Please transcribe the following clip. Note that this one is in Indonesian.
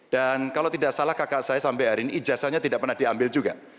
dan kalau tidak salah kakak saya sampai hari ini ijazahnya tidak pernah diambil juga